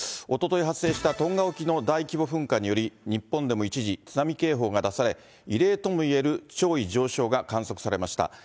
おととい発生したトンガ沖の大規模噴火により、日本でも一時、津波警報が出され、異例ともいえる潮位上昇が観測されました。